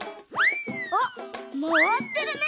あっまわってるね！